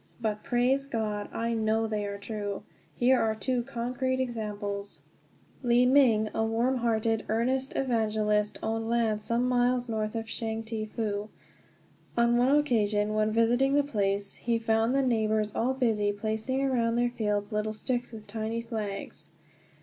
But, praise God, I know they are true. Here are two concrete examples. Li ming, a warm hearted, earnest evangelist, owned land some miles north of Chang Te Fu. On one occasion, when visiting the place, he found the neighbors all busy placing around their fields little sticks with tiny flags.